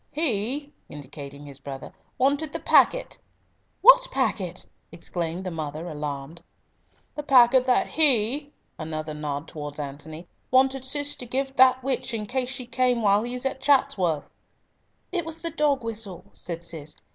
"He," indicating his brother, "wanted the packet." "What packet?" exclaimed the mother, alarmed. "The packet that he (another nod towards Antony) wanted Cis to give that witch in case she came while he is at Chatsworth." "It was the dog whistle," said Cis.